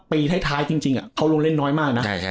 ปีท้ายจริงเขาลงเล่นน้อยมากนะ